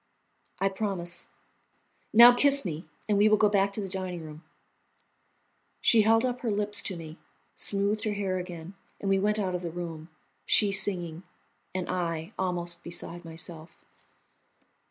"I promise." "Now, kiss me, and we will go back to the dining room." She held up her lips to me, smoothed her hair again, and we went out of the room, she singing, and I almost beside myself.